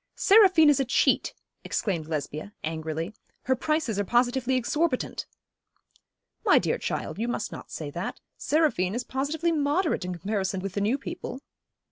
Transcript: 'Seraphine is a cheat!' exclaimed Lesbia, angrily. 'Her prices are positively exorbitant!' 'My dear child, you must not say that. Seraphine is positively moderate in comparison with the new people.'